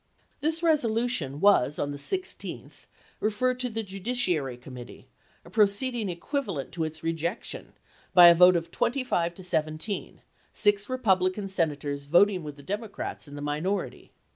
This resolution was on the 16th referred to the Judiciary Com mittee, a proceeding equivalent to its rejection, by a vote of twenty five to seventeen, six Repub lican Senators voting with the Democrats in the Dec. 1°, and minority.